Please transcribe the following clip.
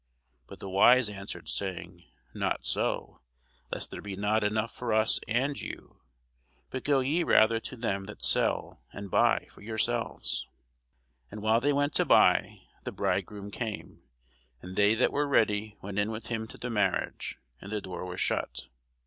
But the wise answered, saying, Not so; lest there be not enough for us and you: but go ye rather to them that sell, and buy for yourselves. And while they went to buy, the bridegroom came; and they that were ready went in with him to the marriage: and the door was shut.